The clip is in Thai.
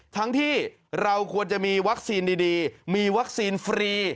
ทั้งที่เราควรจะมีวัคซีนดีมีวัคซีนฟรี